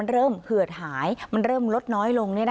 เริ่มเหือดหายลดน้อยลง